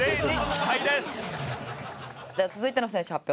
では続いての選手発表